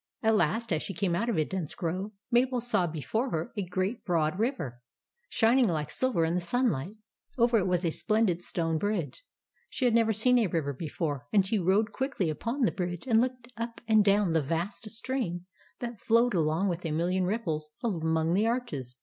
At last, as she came out of a dense grove, Mabel saw before her a great, broad river, shining like silver in the sunlight. Over it 160 THE ADVENTURES OF MABEL was a splendid stone bridge. She had never seen a river before; and she rode quickly upon the bridge, and looked up and down the vast stream that flowed along with a million ripples among the arches.